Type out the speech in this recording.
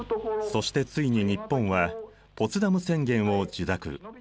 そしてついに日本はポツダム宣言を受諾。